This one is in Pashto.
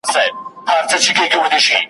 د آسمان غېږه وه ډکه له بازانو `